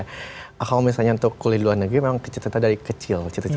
kalau misalnya untuk kuliah di luar negeri memang cerita cerita dari kecil